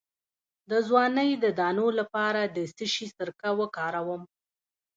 د ځوانۍ د دانو لپاره د څه شي سرکه وکاروم؟